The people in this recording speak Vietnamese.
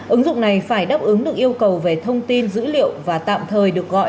ứng dụng này phải đáp ứng được yêu cầu về thông tin dữ liệu và tạm thời được gọi